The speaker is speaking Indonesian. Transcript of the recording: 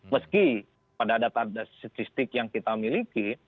meski pada data data statistik yang kita miliki